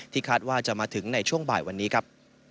คาดว่าจะมาถึงในช่วงบ่ายวันนี้ครับ